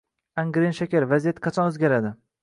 “Angren shakar”: Vaziyat qachon o‘zgaradi?